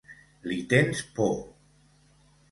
Li tens por!